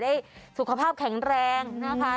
ได้สุขภาพแข็งแรงนะคะ